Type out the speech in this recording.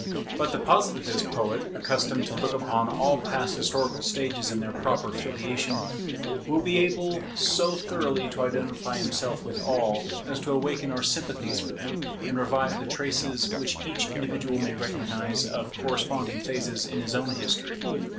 But the Positivist poet, accustomed to look upon all past historical stages in their proper filiation, will be able so thoroughly to identify himself with all, as to awaken our sympathies for them, and revive the traces which each individual may recognize of corresponding phases in his own history.